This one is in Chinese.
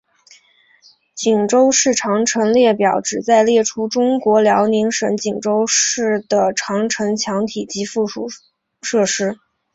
锦州市长城列表旨在列出中国辽宁省锦州市的长城墙体及附属设施。